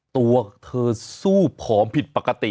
ตัวเธอสู้ผอมผิดปกติ